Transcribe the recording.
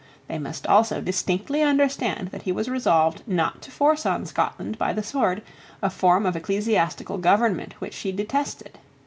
They must also distinctly understand that he was resolved not to force on Scotland by the sword a form of ecclesiastical government which she detested.